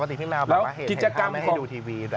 ปกติพี่แมวเห็นทางไม่ให้ดูทีวี